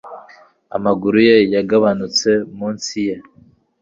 amaguru ye yagabanutse munsi ye